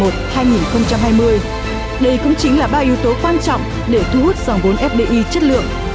đây cũng chính là ba yếu tố quan trọng để thu hút dòng vốn fdi chất lượng